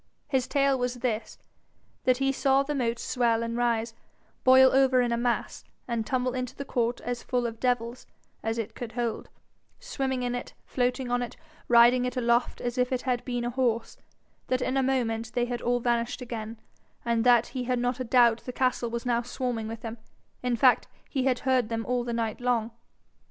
His tale was this that he saw the moat swell and rise, boil over in a mass, and tumble into the court as full of devils as it could hold, swimming in it, floating on it, riding it aloft as if it had been a horse; that in a moment they had all vanished again, and that he had not a doubt the castle was now swarming with them in fact, he had heard them all the night long.